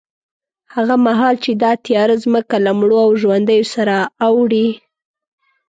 هغه مهال چې دا تیاره ځمکه له مړو او ژوندیو سره اوړي،